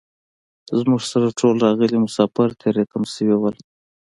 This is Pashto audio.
زموږ سره ټول راغلي مسافر تري تم شوي وو.